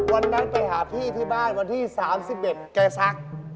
วันนั้นไปหาพี่ที่บ้านวันที่๓๑แกซัก